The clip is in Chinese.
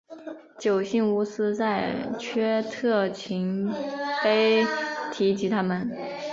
九姓乌古斯在阙特勤碑提及他们。